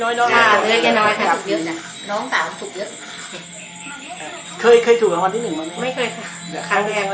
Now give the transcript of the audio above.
น้องตาวัยถูกจะเยอะ